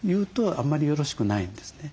あんまりよろしくないんですね。